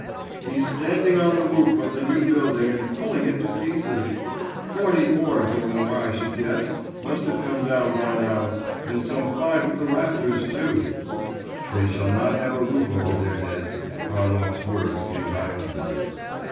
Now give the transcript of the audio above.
'He's standing on the roof of the new building, and pulling it to pieces. Forty boards or more, I should guess, must have come down by now, and some five of the rafters too.' ('They shall not have a roof over their heads.' Harlov's words came back to me.)